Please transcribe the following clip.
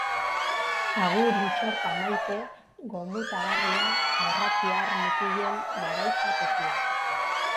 Agur Intxorta maite gomutagarria Arratiar mutilen garaitza tokia.